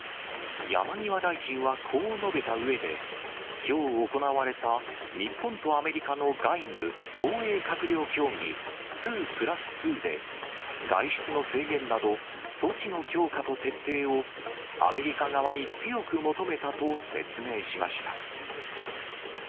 山際大臣はこう述べたうえで、きょう行われた日本とアメリカの外務・防衛閣僚協議、２プラス２で、外出の制限など、措置の強化と徹底をアメリカ側に強く求めたと説明しました。